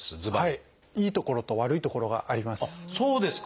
いいところと悪いところがあります。